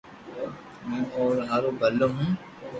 ھون او ھارو ڀلو ھون